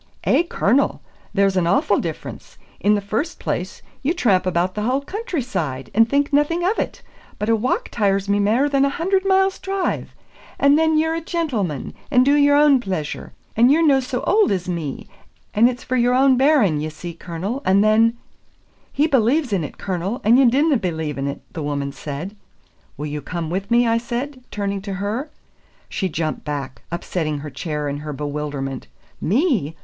"Eh, Cornel, there's an awfu' difference. In the first place, ye tramp about the haill countryside, and think naething of it; but a walk tires me mair than a hunard miles' drive; and then ye're a gentleman, and do your ain pleasure; and you're no so auld as me; and it's for your ain bairn, ye see, Cornel; and then " "He believes in it, Cornel, and you dinna believe in it," the woman said. "Will you come with me?" I said, turning to her. She jumped back, upsetting her chair in her bewilderment. "Me!"